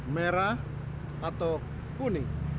merah atau kuning